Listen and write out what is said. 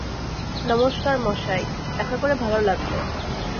নমস্কার মশাই, দেখা করে ভালো লাগলো।